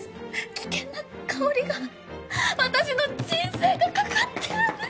危険なかおりが私の人生がかかってるんです！